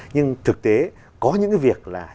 nhưng thực tế có những việc là